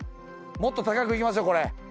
もっと高く行きましょこれ。